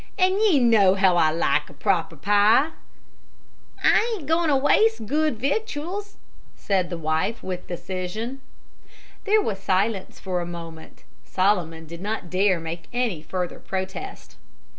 "An' ye know how I like a proper pie." "I ain't goin' to waste good victuals," said his wife, with decision. There was silence for a moment; Solomon did not dare make any further protest.